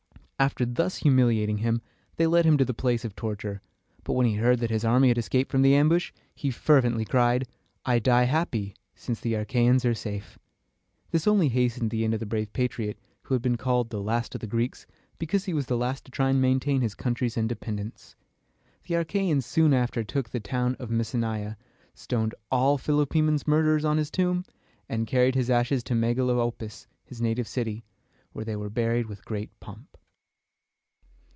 After thus humiliating him, they led him to the place of torture; but when he heard that his army had escaped from the ambush, he fervently cried, "I die happy, since the Achæans are safe." This only hastened the end of the brave patriot, who has been called the "Last of the Greeks," because he was the last to try to maintain his country's independence. The Achæans soon after took the town of Messenia, stoned all Philopoemen's murderers on his tomb, and carried his ashes to Meg a lop´o lis, his native city, where they were buried with great pomp.